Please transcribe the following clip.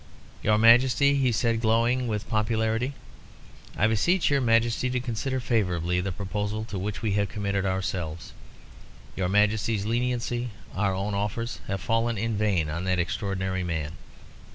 "Your Majesty," he said, glowing with popularity, "I beseech your Majesty to consider favourably the proposal to which we have committed ourselves. Your Majesty's leniency, our own offers, have fallen in vain on that extraordinary man.